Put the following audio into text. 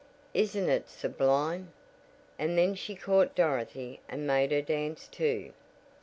"Isn't it sublime!" And then she caught Dorothy and made her dance too.